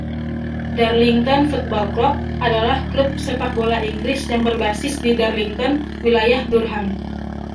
Darlington Football Club adalah klub sepak bola Inggris yang berbasis di Darlington, Wilayah Durham.